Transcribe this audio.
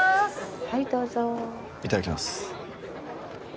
はいどうぞいただきます